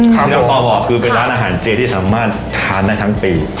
ที่เราต่อบอกคือเป็นร้านอาหารเจที่สามารถทานได้ทั้งปี